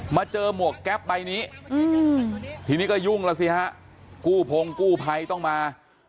เจอหมวกแก๊ปใบนี้ทีนี้ก็ยุ่งแล้วสิฮะกู้พงกู้ภัยต้องมา